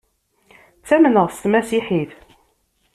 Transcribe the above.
Ttamneɣ s tmasiḥit.